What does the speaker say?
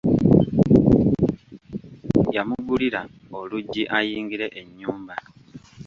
Yamugulira oluggi ayingire e nnyumba.